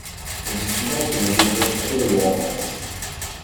On dit souvent que nous votons trop de lois en France.